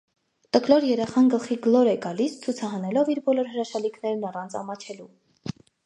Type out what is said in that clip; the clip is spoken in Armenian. Տկլոր երեխան գլխիգլոր է գալիս, ցուցահանելով իր բոլոր հրաշալիքներն առանց ամաչելու: